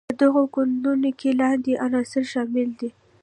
په دغو کودونو کې لاندې عناصر شامل دي.